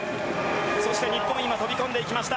そして日本今飛び込んでいきました。